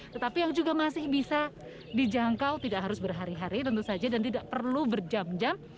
tetapi yang juga masih bisa dijangkau tidak harus berhari hari tentu saja dan tidak perlu berjam jam